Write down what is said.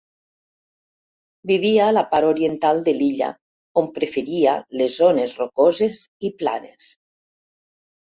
Vivia a la part oriental de l'illa, on preferia les zones rocoses i planes.